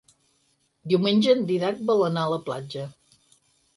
Diumenge en Dídac vol anar a la platja.